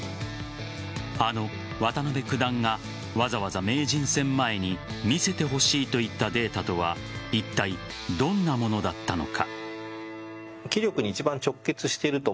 あの渡辺九段がわざわざ、名人戦前に見せてほしいといったデータとはいったいどんなものだったのか。